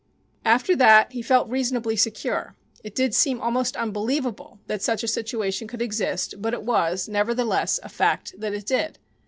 After that he felt reasonably secure. It did seem almost unbelievable that such a situation could exist, but it was, nevertheless, a fact that it did.